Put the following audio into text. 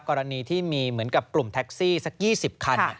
กรณีที่มีเหมือนกับกลุ่มแท็กซี่สัก๒๐คัน